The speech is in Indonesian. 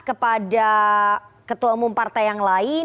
kepada ketua umum partai yang lain